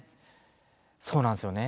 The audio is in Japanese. そうなんですよね。